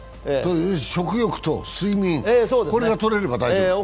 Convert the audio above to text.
食欲と睡眠がとれれば大丈夫。